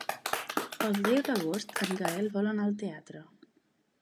El deu d'agost en Gaël vol anar al teatre.